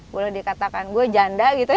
boleh dikatakan gue janda gitu ya